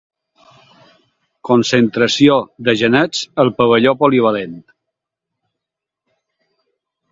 Concentració de genets al pavelló polivalent.